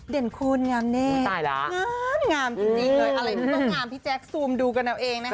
คุณงามแน่งามจริงเลยอะไรมันก็งามพี่แจ๊คซูมดูกันเอาเองนะคะ